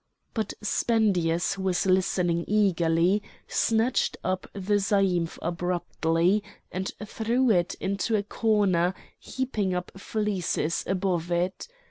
But Spendius, who was listening eagerly, snatched up the zaïmph abruptly and threw it into a corner, heaping up fleeces above it.